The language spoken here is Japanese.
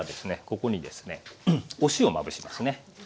ここにですねお塩まぶしますね。